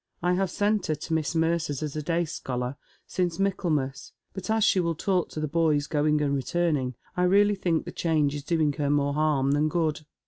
I have sent her to Miss Mercer's as a day scholar, since Michaelmas, but as she will talk to the boys going and returning, I really think the change is doing her more harm than good.